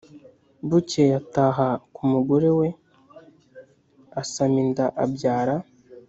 Bukeye ataha ku mugore we asama inda abyara